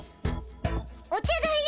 お茶だよ。